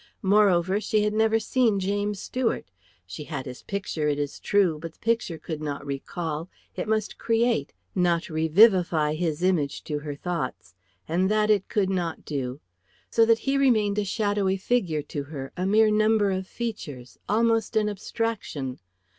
Moreover, she had never seen James Stuart; she had his picture, it is true, but the picture could not recall. It must create, not revivify his image to her thoughts, and that it could not do; so that he remained a shadowy figure to her, a mere number of features, almost an abstraction.